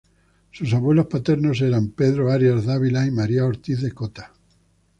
Sus abuelos paternos eran Pedro Arias Dávila y María Ortiz de Cota.